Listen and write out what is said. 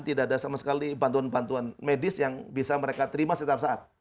tidak ada sama sekali bantuan bantuan medis yang bisa mereka terima setiap saat